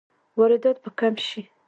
واردات به کم شي؟